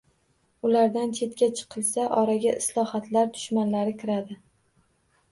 Ulardan chetga chiqilsa, oraga islohotlar dushmanlari kiradi